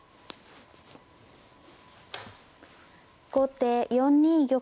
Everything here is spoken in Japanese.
後手４二玉。